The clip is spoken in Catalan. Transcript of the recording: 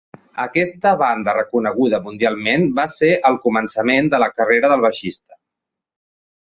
Aquesta banda reconeguda mundialment va ser el començament de la carrera del baixista.